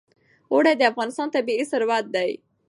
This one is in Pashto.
اوړي د افغانستان طبعي ثروت دی.